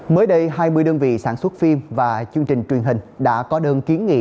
mới đây hai mươi đơn vị sản xuất phim và chương trình truyền hình đã có đơn kiến nghị